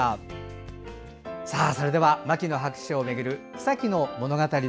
それでは「牧野博士とめぐる草木の物語」。